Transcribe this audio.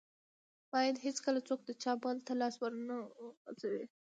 بايد هيڅکله څوک د چا مال ته لاس ور و نه غزوي.